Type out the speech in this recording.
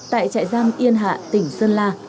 tại trại giam yên hạ tỉnh sơn la